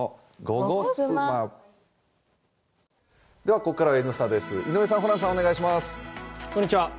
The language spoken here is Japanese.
ここからは「Ｎスタ」です井上さん、ホランさん。